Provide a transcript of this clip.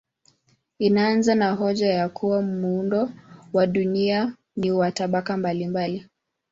Inaanza na hoja ya kuwa muundo wa dunia ni wa tabaka mbalimbali.